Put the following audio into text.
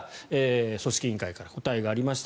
組織委員会から答えがありました。